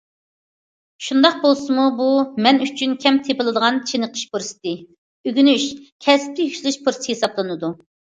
شۇنداق بولسىمۇ بۇ مەن ئۈچۈن كەم تېپىلىدىغان چېنىقىش پۇرسىتى، ئۆگىنىش، كەسىپتە يۈكسىلىش پۇرسىتى ھېسابلىنىدۇ.